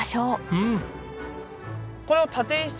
うん！